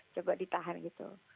coba ditahan gitu